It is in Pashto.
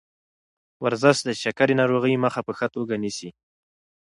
ورزش د شکرې ناروغۍ مخه په ښه توګه نیسي.